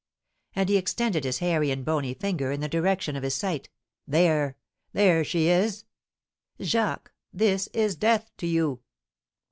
and he extended his hairy and bony finger in the direction of his sight. "There, there she is!" "Jacques, this is death to you!"